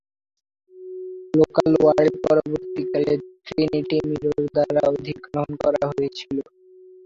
Local World পরবর্তীকালে Trinity Mirror দ্বারা অধিগ্রহণ করা হয়েছিল।